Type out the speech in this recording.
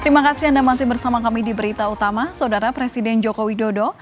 terima kasih anda masih bersama kami di berita utama saudara presiden joko widodo